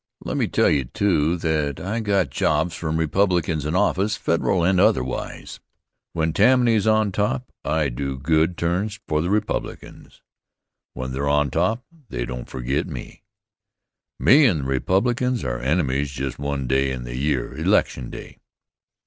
Let me tell you, too, that I got jobs from Republicans in office Federal and otherwise. When Tammany's on top I do good turns for the Republicans. When they're on top they don't forget me. Me and the Republicans are enemies just one day in the year election day.